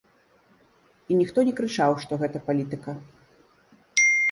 І ніхто не крычаў, што гэта палітыка.